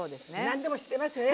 何でも知ってますね。